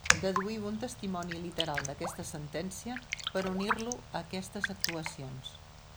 Deduïu un testimoni literal d'aquesta Sentència per unir-lo a aquestes actuacions.